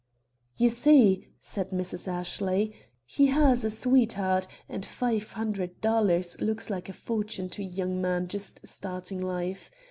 "You see," said Mrs. Ashley, "he has a sweetheart, and five hundred dollars looks like a fortune to a young man just starting life.